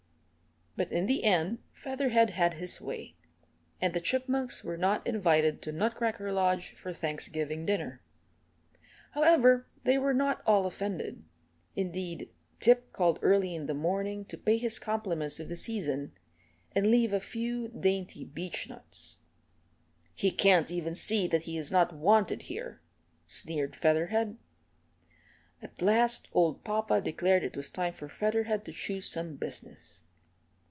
But in the end Featherhead had his way, and the Chipmunks were not invited to Nutcracker Lodge for Thanksgiving dinner. However, they were not all offended. Indeed, Tip called early in the morning to pay his compliments of the season, and leave a few dainty beechnuts. "He can't even see that he is not wanted here," sneered Featherhead. At last old papa declared it was time for Featherhead to choose some business.